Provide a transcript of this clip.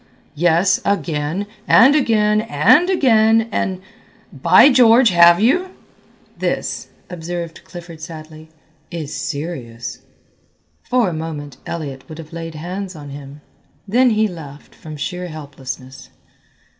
"Yes, again and again and again and by George have you?" "This," observed Clifford sadly, "is serious." For a moment Elliott would have laid hands on him, then he laughed from sheer helplessness.